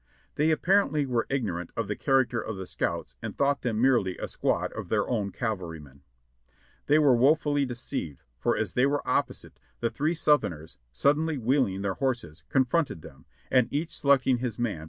They apparently were ignorant of the character of the scouts and thought them merely a squad of their own cavalrymen. They were woefully deceived, for as they were opposite, tlie three Southerners, suddenly wheel ing their horses, confronted them, and each selecting his man.